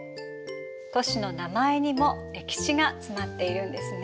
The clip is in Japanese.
都市の名前にも歴史が詰まっているんですね。